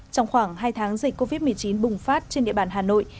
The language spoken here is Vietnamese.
trong khoảng hai tháng dịch covid một mươi chín bùng phát trên địa bàn hà nội